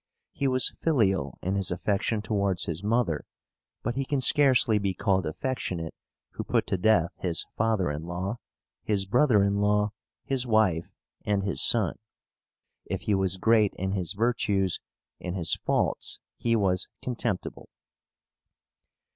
He was filial in his affection towards his mother; but he can scarcely be called affectionate who put to death his father in law, his brother in law, his wife, and his son. If he was great in his virtues, in his faults he was contemptible.